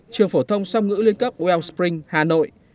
trường phổ thông xâm ngữ liên cấp wellspring hà nội